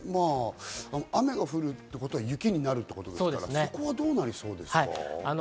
雨が降るってことは、雪になるってことですから、そこはどうなりそうですか？